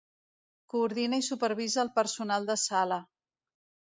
Coordina i supervisa el personal de sala.